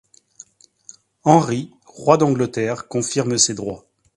Henri, roi d'Angleterre confirme ses droits.